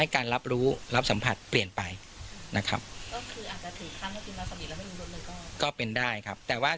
ให้การรับรู้รับสัมผัสเปลี่ยนไปนะครับก็เป็นได้ครับแต่ว่า